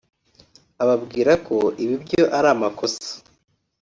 ababwira ko ibi byo ari amakosa